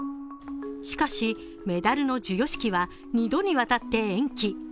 しかしメダルの授与式は２度にわたって延期。